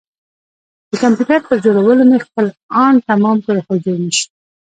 د کمپيوټر پر جوړولو مې خپل ان تمام کړ خو جوړ نه شو.